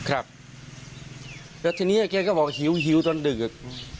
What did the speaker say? แล้วทีนี้เขาก็บอกว่าหิวตอนเดือด